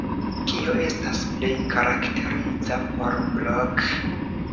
Kio estas plej karakteriza por Blok?